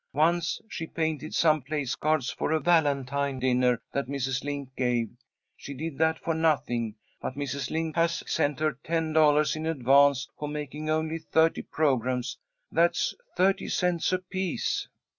Once she painted some place cards for a Valentine dinner that Mrs. Link gave. She did that for nothing, but Mrs. Link has sent her ten dollars in advance for making only thirty programmes. That's thirty cents apiece.